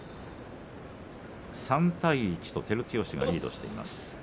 ３対１と照強がリードしています。